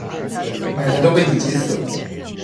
奶奶都被你急死了